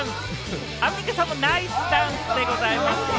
アンミカさんもナイスダンスでございますよ。